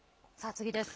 次です。